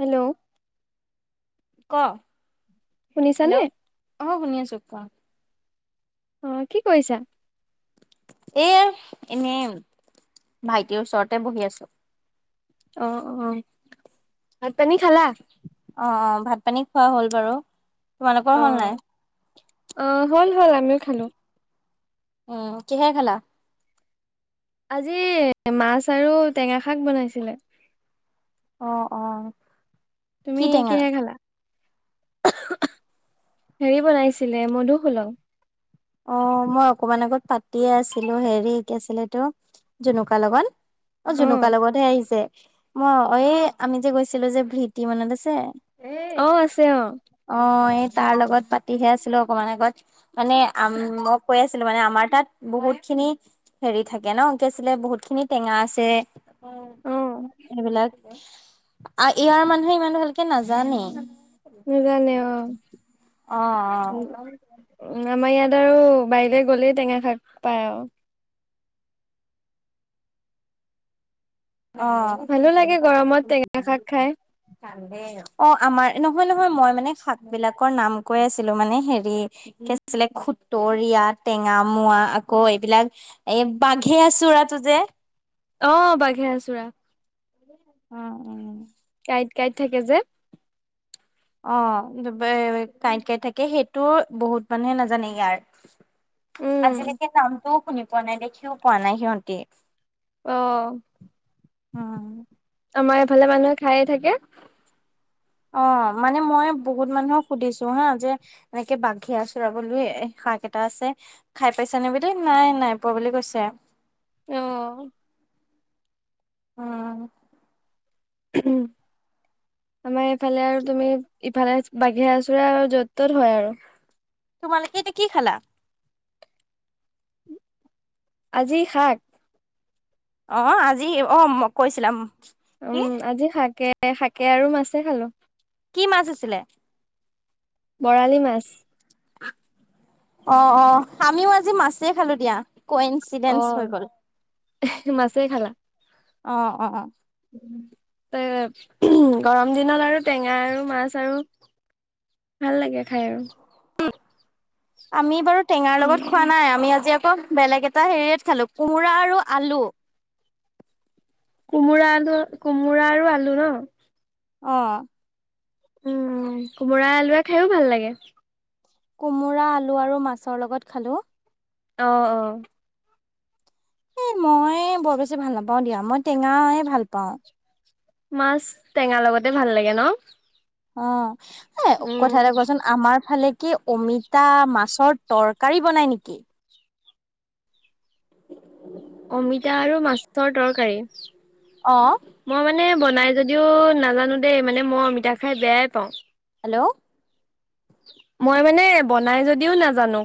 Hello. ক', শুনিছানে? Hello, অ' শুনি আছোঁ কোৱা। অ', কি কৰিছা? এ, এনে ভাইটিৰ ওচৰতে বহি আছোঁ। অ', অ'। ভাত পানী খালা? অঁ, অঁ ভাত পানী খোৱা হ'ল বাৰু! তোমালোকৰ হ'ল অঁ নাই অঁ হ'ল, হ'ল। আমিও খালোঁ। উম', কিহে খালা? আজি মাছ আৰু টেঙাশাক বনাইছিলে। অ', অ, কি তুমি টেঙা কিহেৰে খালা? হেৰি বনাইছিলে, মধুসোলঙ। অ', মই অকমান আগত পাতিয়ে আছিলো। হেৰি কি আছিলে। এতো জনুকা লগন অ', জুনুকা লগতহে আহিছে। মই এ আমি যে গৈছিলোঁ যে ভি তি মনত আছে? অ', আছে। অ, অ', এই তাৰ লগত পাতিহে আছিলো। অকমান আগত মানে আম মই কৈ আছিলো। মানে আমাৰ তাত বহুত খিনি হেৰি থাকে ন কি আছিলে। বহুত খিনি টেঙা আছে। অ এইবিলাক আৰু ইয়াৰ মানুহে ইমান ভালকে নাজানেই। নিজানে অ, অ অ উ', আমাৰ ইয়াত আৰু বাৰিলৈ গ'লেই টেঙা শাক পায় আৰু। অ ভালো লাগে। গৰমত টেঙা শাক খাই। [unintelligible] অ', আমাৰ নহয়। নহয়। মই মানে শাক বিলাকৰ নাম কৈ আছিলো, মানে হেৰি আছিলে। খুতৰীয়া টেঙা মোৱা আকৌ এইবিলাক এই বাঘে আছোৰা তু যে অ', বাঘে আঁচোৰা। উম', উম, কাঁইট কাঁইট থাকে যে, অ', এ কাঁইট কাঁইট থাকে। সেইটো বহুত মানুহে নাজানে ইয়াৰ উম আজিলৈকে নামটোও শুনি পোৱা নাই, দেখিও পোৱা নাই। সিহঁতে অ', আমাৰ এফালে মানুহে খাই থাকে। অ', মানে মই বহুত মানুহক সুধিছোঁ হা যে এনেকে বাঘে আঁচোৰা বোলৈ এ শাক এটা আছে। খাই পাইছা নে? বুলি নাই নাই পোৱা বুলি কৈছে। অ', উম', উম', আমাৰ ইফালে আৰু তুমি ইফালে বাঘে আঁচোৰা আৰু য'তেই ত'তেই হয় আৰু তোমালোকে এতিয়া কি খালা? আজি শাক। অ', আজি অ, মই কৈছিলা। কি উম', আজি শাকে শাকে আৰু মাছে খালো। কি মাছ আছিলে? বৰালি মাছ। অ', অ, আমিও আজি মাছেই খালো দিয়া। ক ইনচিডেন্ অ হৈ গ'ল মাছে অ, অ, এ', গৰম দিনত আৰু টেঙা আৰু মাছ আৰু ভাল লাগে। খাই আৰু আমি বাৰু টেঙাৰ লগত খোৱা উম নাই। আমি আজি আকৌ বেলেগ এটা হেৰিয়ত খালো। কোমোৰা আৰু আলু কোমোৰা আৰু কোমোৰা আৰু আলু ন? অ'। উম, কোমোৰা আলুৱে খাইও ভাল লাগে। কোমোৰা আলু আৰু মাছৰ লগত খালোঁ। অ', অ'। এই মই বৰ বেছি ভাল নাপাওঁ দিয়া, মই টেঙাই ভাল পাওঁ। মাছ টেঙাৰ লগতে ভাল লাগে ন। অ', এ উম কথা এটা কোৱাচোন আমাৰ ফালে কি অমিতা মাছৰ তৰকাৰী বনাই নেকি? [inaudible] অমিতা আৰু মাছৰ তৰকাৰী। অ'। মই মানে বনাই যদিও নাজানোঁ দেই, মানে মই অমিতা খাই বেয়াই পাওঁ। হেল্ল'। মই মানে বনাই যদিও নাজানোঁ।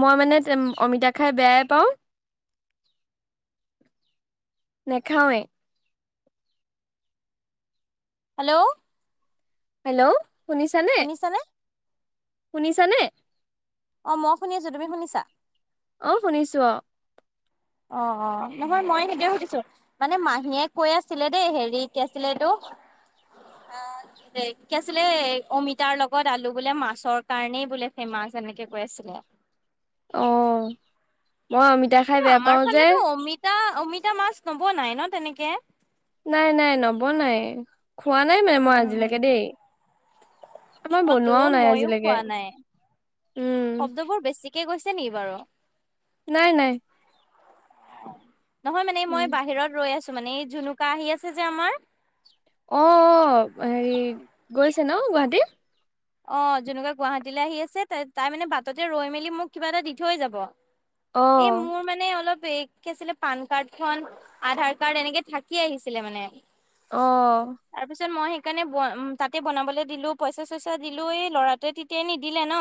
মই মানে অমিতা খাই বেয়াই পাওঁ। নেখাওৱে। হেল্ল'। হেল্ল', শুনিছানে, শুনিছানে? অ', মই শুনিছো, তুমি শুনিছা? অ', শুনিছো অ'। অ', অ', নহয় মই সিটোৱে সুধিছোঁ। মানে মাহীয়ে কৈ আছিলে দেই হেৰি কি আছিলেটো [inaudible] এ কি আছিলে অমিতাৰ লগত আলু বোলে মাছৰ কাৰণেই বোলে ফেমাছ এনেকে কৈ আছিলে। অ', মই অমিতা খাই কিন্তু বেয়া আমাৰ পাওঁ যে ফালেতো [unintelligible] অমিতা মাছ নবনাই ন তেনেকে? নাই নাই নবনাই, খোৱা নাই মানে মই উম। আজিলৈকে দেই। আৰু মই অ', তো বনোৱাও নাই মইয়ো আজিলৈকে, উম। [unintelligible] বোৰ বেছি [unintelligible] গৈছে নি বাৰু? নাই নাই। নহয় মানে উম মই বাহিৰত ৰৈ আছোঁ মানে, এই জুনুকা আহি আছে যে আমাৰ। অ', হেৰি গৈছে ন গুৱাহাটীত? অ', জুনুকা গুৱাহাটীলৈ আহি আছে তাই-তাই মানে বাটতে ৰৈ মেলি মোক কিবা এটা দি থৈ যাব। অ এই মোৰ মানে অলপ এই কি আছিলে পান কাৰ্ড খন, আধাৰ কাৰ্ড এনেকে থাকি আহিছিলে মানে। অ'। তাৰ পিছত মই সেইকাৰণে বনা তাতে বনাবলৈ দিলো পইচা চইচা দিলোঁ এই ল'ৰাটোৱে তেতিয়াই নিদিলে ন,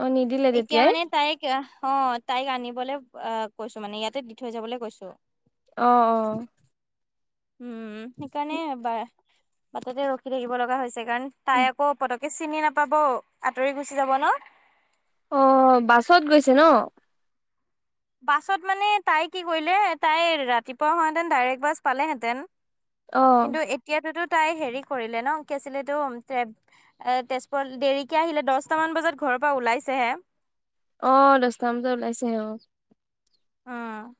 অ নিদিলে এতিয়া তেতিয়াই মানে তাইক অ', তাইক আনিবলৈ অহ, কৈছোঁ মানে, ইয়াতে দি থৈ যাবলৈ কৈছোঁ। অ', অ'। উম, সেইকাৰণে বা-বাটতে ৰখি থাকিব লগা হৈছে কাৰণ অ তাই আকৌ পত [unintelligible] চিনি নাপাব আঁতৰি গুচি যাব ন। অ', বাছত গৈছে ন? বাছত মানে তাই কি কৰিলে, তাই ৰাতিপুৱা হোৱালেতেন ডাইৰেক্ট বাছ পালেহেঁতেন। অ', কিন্তু, এতিয়াতোতো তাই হেৰি কৰিলে ন কি আছিল এটো তেত- এ তেজপুৰত দেৰিকে আহিলে দছটামান বজাত ঘৰৰ পৰা ওলাইছেহে। অঁ' দছটামান বজাত ওলাইছেহে অঁ। অঁ'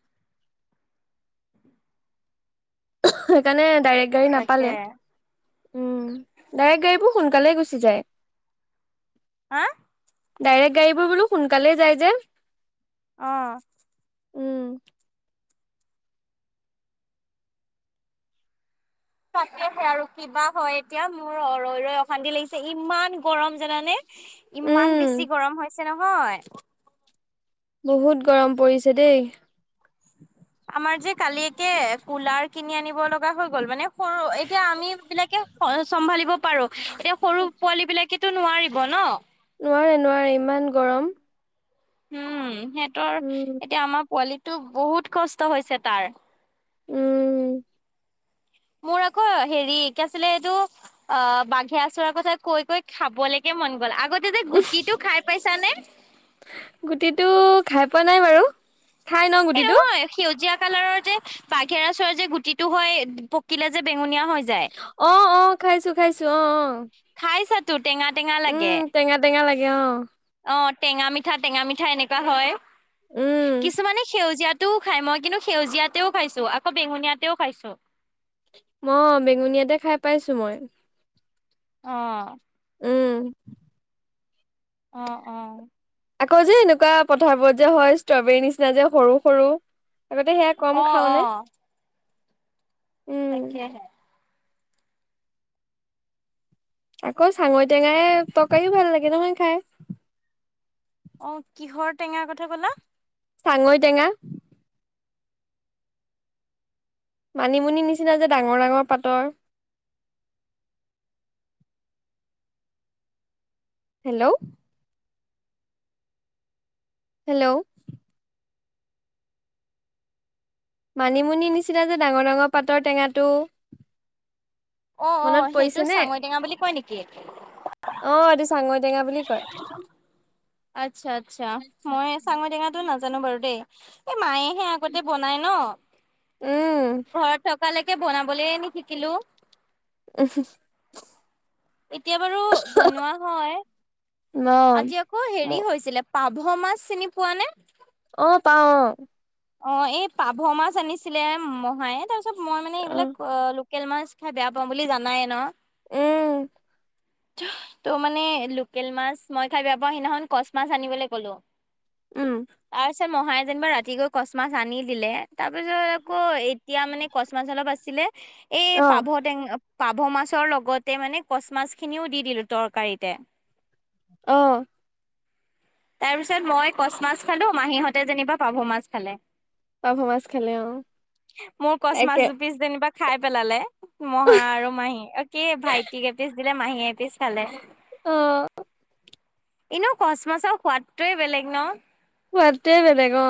সেইকাৰণে ডাইৰেক্ট গাড়ী তাকে নাপালে। উম' ডাইৰেক গাড়ীবোৰ সোনকালে গুচি যায়। হাঁ' ডাইৰেক গাড়ীবোৰ বোলো সোনকালেই যায় যে। অঁ' উম, তাকেহে আৰু কিবা হয় এতিয়া মোৰ ৰৈ ৰৈ অশান্তি লাগিছে, ইমান গৰম জানানে। ইমান উম, বেছি গৰম হৈছে নহয়। বহুত গৰম পৰিছে দেই। [inaudible] আমাৰ যে কালিকে কুলাৰ কিনি আনিব লগা হৈ গ'ল, মানে সৰু এতিয়া আমি বিলাকে- হয় চম্ভালিব পাৰোঁ, এতিয়া- অহ' পোৱালিবিলাকেতো নোৱাৰিব ন। নোৱাৰে নোৱাৰে, ইমান গৰম। উম' হেঁতৰ উম, এতিয়া আমাৰ পোৱালিটো বহুত কষ্ট হৈছে তাৰ। উম' মোৰ আকৌ হেৰি কি আছিলে এইটো? অঁ, বাঘে আচুৰাৰ কথা কৈ কৈ খাবলেকে মন গ'ল, আগতে যে গুটিটো খাই পাইছানে? গুটিটো খাই পোৱা নাই বাৰু। খাই ন এই গুটিটো? নহয় সেউজীয়া কালাৰৰ যে, - বাঘেআচোৰা যে গুটিটো হয় পকিলে যে বেঙুনীয়া হয়। অঁ অঁ খাইছো খাইছো, অঁ অঁ। খাইছাটো টেঙা-টেঙা লাগে। টেঙা টেঙা লাগে অঁ। অঁ' টেঙা- মিঠা টেঙা- মিঠা এনেকুৱা হয়। উম, কিছুমানে সেউজীয়া- টো খাই। মই কিন্তু সেউজীয়াতেও খাইছো, আকৌ বেঙুনীয়াতেও খাইছো। ম বেঙুনীয়াতে খাই পাইছো মই। অঁ' উম' অঁ অঁ। আকৌ যে এনেকুৱা পথাৰবোৰত যে হয় ষ্ট্ৰবেৰীৰ নিচিনা যে সৰু-সৰু আগতে সেয়া- কম অ অ খাওঁনে? উম' তাকেহে। আকৌ চাঙৰী টেঙাই তৰকাৰীও ভাল লাগে নহয় খাই। অঁ' কিহৰ টেঙাৰ কথা ক'লা? চাঙৰী টেঙা। মানিমুনি নিচিনা যে ডাঙৰ ডাঙৰ পাতৰ। হেল্লৌ' হেল্লৌ' মানিমুনি নিচিনা যে ডাঙৰ ডাঙৰ পাতৰ টেঙাটো। অঁ মনত অঁ' পৰিছে সেইটো নে চাঙৰিটেঙা বুলি কয় নেকি? অ এইটো চাঙৈ টেঙা বুলি কয়। আচ্ছা আচ্ছা মই চাঙৈ টেঙাটো নাজানো বাৰু দেই। এই মায়েহে আগতে বনাই ন উম ঘৰত থকালৈকে বনাবলে নিশিকিলো। ওহো এতিয়া বাৰু বনোৱা হয় অ আজি আকৌ হেৰি হৈছিলে পাভ মাছ চিনি পোৱা নে অ পাওঁ অ। অ এই পাভ মাছ আনিছিলে মহায়ে তাৰ পিছত মই মানে এইবিলাক অ লোকেল মাছ খাই বেয়া পাওঁ বুলি জানায়ে ন উম ত' মানে লোকেল মাছ মই খাই বেয়া পাওঁ। সিদিনাখন কচ মাছ আনিবলৈ কলো। উম তাৰপিছত মহায়ে যেনিবা ৰাতি গৈ কচ মাছ আনি দিলে। তাৰ পিছত আকৌ এতিয়া মানে কচ মাছ অলপ আছিলে, এই অ পাভ টেঙা পাভ মাছৰ লগতে মানে কচ মাছ খিনিও দি দিলো তৰকাৰিতে অ, তাৰ পিছত মই কচ মাছ খালোঁ মাহীহঁতে যেনিবা পাভ মাছ খালে। পাভ মাছ খালে অ মোৰ কচ মাছ একে দুপিচ যেনিবা খাই পেলালে, মহা আৰু মাহী অ কি ভাইটিক এপিচ দিলে মাহীয়ে এপিচ খালে অ এনেও কচ মাছৰ সোৱাদটোৱে বেলেগ ন সোৱাদটোৱেই বেলেগ অ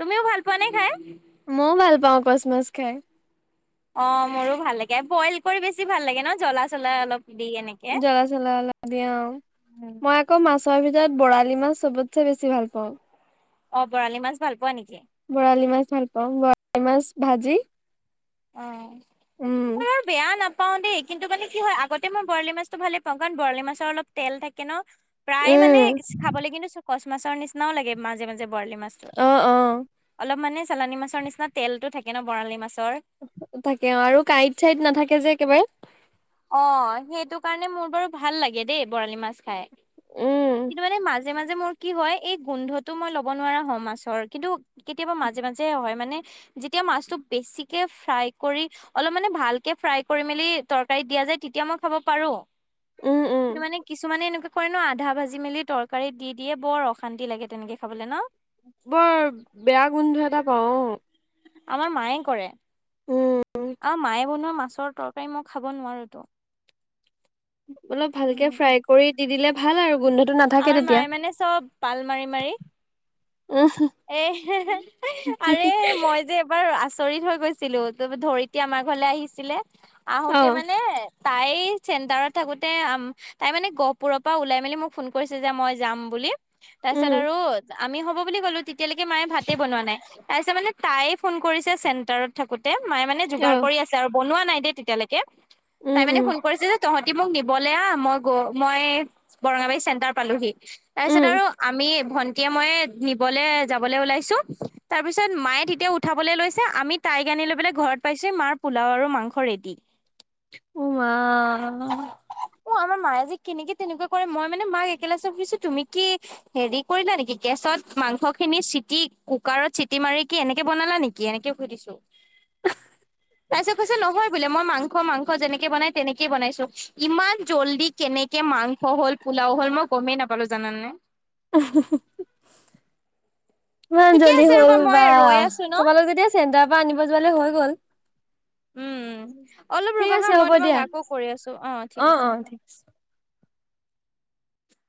তুমিও ভাল পোৱা নে খাই মইও ভাল পাওঁ কচ মাছ খাই। অ মোৰো ভাল লাগে বইল কৰি বেছি ভাল লাগে ন জ্বলা চলা অলপ দি কেনি জ্বলা- চলা অলপ দি অ মই মই ক মাছৰ ভিতৰত বৰালি মাছ চবতচে বেছি ভাল পাওঁ। অ বৰালি মাছ ভাল পোৱা নেকি বৰালি মাছ ভাল পাওঁ, বৰালি মাছ ভাজি অ উম মইও বেয়া নাপ নাপাওঁ দেই কিন্তু মানে কি হয় আগতে মই বৰালি মাছটো ভালে পাওঁ কাৰণ বৰালি মাছৰ অলপ তেল থাকে ন প্ৰায় মানে উম খাবলৈ কিন্তু কছ মাছৰ নিচিনাও লাগে মাজে মাজে বৰালি মাছ অ অ অলপ মানে চালানী মাছৰ নিচিনা তেলটো থাকে ন বৰালি মাছৰ থাকে অ আৰু কাইট চাইড নাথাকে যে একেবাৰে অ সেইটো কাৰণে মোৰ বাৰু ভাল লাগে দেই বৰালি মাছ খাই উম কিন্তু মানে মাছ মাজে মাজে মোৰ কি হয় এই গোন্ধটো মই লব নোৱাৰা হয় মাছৰ কিন্তু কেতিয়াবা মাজে মাজে হয়, মানে যেতিয়া মাছটো বেছিকে ফ্ৰাই কৰি অলপ মানে ভালকে ফ্ৰাই কৰি মেলি তৰ কাৰিত দিয়া যে তেতিয়া মই খাব পাৰো, উম উম কিন্তু মানে কিছুমানে এনেকুৱা মানে আধা ভাজি মেলি তৰকাৰীত দি দিয়ে বৰ অশান্তি লাগে তেনেকে খাবলৈ ন বৰ বেয়া গোন্ধ এটা পাওঁ অ আমাৰ মায়ে কৰে উম আও মায়ে বনোৱা মাছৰ তৰ কাৰি মই খাব নোৱাৰো টো অলপ ভালকে উম ফ্ৰাই কৰি দি দিলে ভাল আৰু গোন্ধটো নাথ আমাৰ মায়ে মানে চব পাল মাৰি মাৰি উহু। এ হেহে, আৰে মই যে এবাৰ আচৰিত হৈ গৈছ ছিলো। ত-তুমি ধৰিত্ৰী আমাৰ ঘৰলৈ আহিছিলে, অ আহোতে মানে তাই চেণ্টাৰত থাকোতে আম তাই মানে গহপুৰৰ পৰা ওলাই মেলি মোক ফোন কৰিছে যে, মই যাম বুলি! তাৰ পিছত উম আৰু আমি হ'ব বুলি ক'লো, তেতিয়ালৈকে মায়ে ভাতে বনোৱা নাই। তাৰপিছত মানে তাই ফোন কৰিছে চেন্টাৰত থাকোতে মায়ে মানে অ যোগাৰ কৰি আছে আৰু বনোৱা নাই দেই তেতিয়ালৈকে উম তাই মানে উম ফোন কৰিছে যে, তহঁতি মোক নিবলে আহ মই গ মই বৰঙাবাৰী চেণ্টাৰ পালোহি, তাৰপিছত উম আৰু আমি ভন্টিয়ে মইয়ে নিবলে যাবলৈ ওলাইছো। তাৰ পিছত মায়ে তেতিয়া উঠাবলৈ লৈছে আমি তাইক আনি লৈ পেলাই ঘৰত পাইছোহি, মাৰ পোলাও আৰু মাংস ৰেডি। উম, মা। অ' আমাৰ মায়ে যে কেনেকে তেনেকুৱা কৰে মই মানে মাক একেলগে সুধিছো তুমি কি হেৰি কৰিলা নেকি, গেছত মাংস খিনি চিটি কুকাৰত চিটি মাৰি কি এনেকে বনালা নেকি? কি এনেকে সুধিছো? [unintelligible] তাৰ পিছত কৈছে, নহয় বোলে মই মাংস মাংস যেনেকে বনাই তেনেকেইে বনাইছো ইমান জল্দি কেনেকে মাংস হ'ল, পোলাও হ'ল মই গমেই নাপালো, জানানে। অহহ' ইমান ঠিকে জল্দি আছে হ'ল ৰবা মই বা ৰৈ আছো ন তোমালোক যেতিয়া চেণ্টাৰৰ পৰা আনিব যোৱালৈ হৈ গ'ল। উম উম, অলপ ঠিক ৰ'বা হা আছে মই হ'ব দিয়া তোমাক আকৌ কৰি আছো। অ' ঠিক আছে।